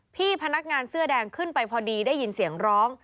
พี่พนักงานเสื้อแดงขึ้นไปพอดีได้ยินเสียงร้อง